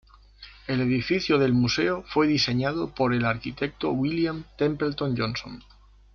El edificio del museo fue diseñado por el arquitecto William Templeton Johnson.